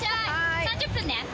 ３０分ね。